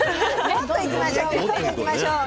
もっといきましょう！